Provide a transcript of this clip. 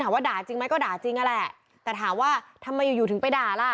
ว่าด่าจริงไหมก็ด่าจริงนั่นแหละแต่ถามว่าทำไมอยู่อยู่ถึงไปด่าล่ะ